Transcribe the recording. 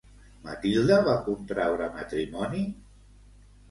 Mathilde va contraure matrimoni?